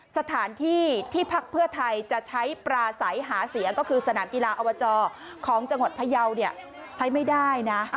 สถานที่ที่พักเพื่อไทยจะใช้ปราศัยหาเสียงก็คือสนามกีฬาอวจของจังหวัดพยาวเนี่ยใช้ไม่ได้นะ